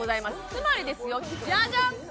つまりですよジャジャン！